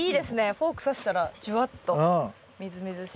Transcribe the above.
フォーク刺したらじゅわっとみずみずしい。